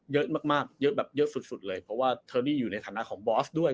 เยอะมากมากเยอะแบบเยอะสุดเลยเพราะว่าเทอรี่อยู่ในฐานะของบอสด้วย